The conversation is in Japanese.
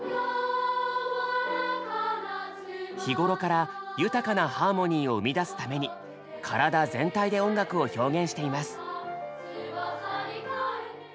日頃から豊かなハーモニーを生み出すために体全体で音楽を表現しています。